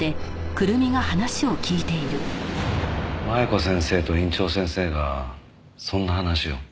麻弥子先生と院長先生がそんな話を。